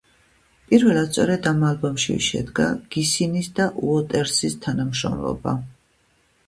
პირველად სწორედ ამ ალბომში შედგა გისინის და უოტერსის თანამშრომლობა.